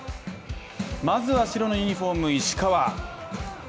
まずは白のユニフォーム、石川。